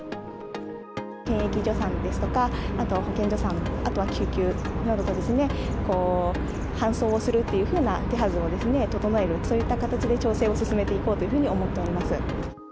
検疫所さんですとか、あとは保健所さん、あとは救急などでですね、搬送をするっていうふうな手はずを整える、そういった形で調整を進めていこうというふうに思っております。